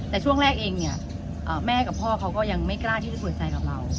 แต่ช่วงแรกเองเนี่ยแม่กับพ่อเขาก็ยังไม่กล้าที่จะเปิดใจกับเรา